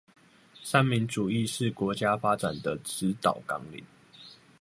三民主義是國家發展的指導綱領